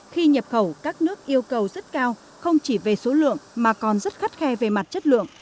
khi nhập khẩu các nước yêu cầu rất cao không chỉ về số lượng mà còn rất khắt khe về mặt chất lượng